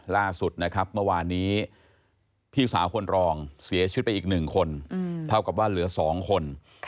ล่าสุดนะครับเมื่อวานนี้พี่สาวคนรองเสียชีวิตไปอีก๑คนเท่ากับว่าเหลือ๒คน